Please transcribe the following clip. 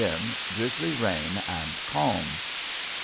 M. Drisly rain and Calm.